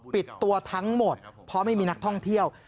ปิดตัวทั้งหมดเพราะไม่มีนักท่องเที่ยว